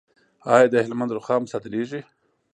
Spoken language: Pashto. آیا د هلمند رخام صادریږي؟